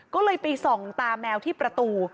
ก็เลยไปส่องตาแมวที่ประตู